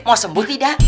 mau sembunyi aduh